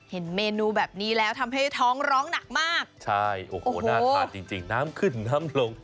เห็นเมนูแบบนี้แล้วทำให้ท้องร้องหนักมากใช่โอ้โหน่าทานจริงจริงน้ำขึ้นน้ำลง